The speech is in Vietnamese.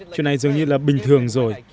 chuyện này dường như là bình thường rồi